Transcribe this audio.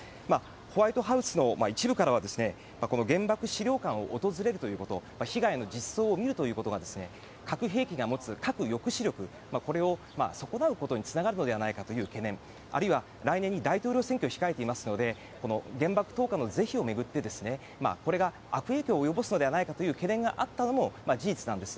ホワイトハウスの一部からは原爆資料館を訪れるということ被害の実相を見るということが核兵器が持つ核抑止力これを損なうことにつながるのではないかという懸念あるいは来年に大統領選挙を控えていますので原爆投下の是非を巡って悪影響を及ぼすのではないかという懸念があったのも事実なんです。